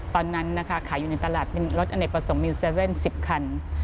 ตอนนั้นนะคะขายอยู่ในตลาดเป็นรถอเนกประสงค์มิวเซเว่น๑๐คัน